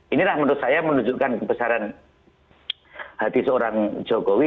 inilah menurut saya menunjukkan kebesaran hati seorang jokowi